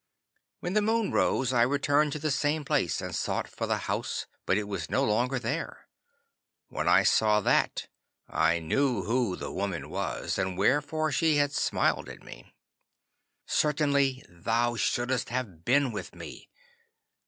'When the moon rose I returned to the same place and sought for the house, but it was no longer there. When I saw that, I knew who the woman was, and wherefore she had smiled at me. 'Certainly thou shouldst have been with me.